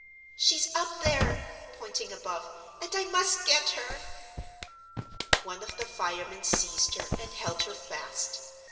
"She's up there," pointing above, "and I must get her." One of the firemen seized her and held her fast.